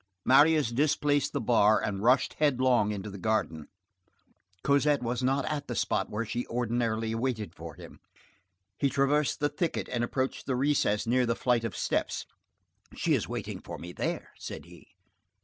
Marius displaced the bar, and rushed headlong into the garden. Cosette was not at the spot where she ordinarily waited for him. He traversed the thicket, and approached the recess near the flight of steps: "She is waiting for me there," said he.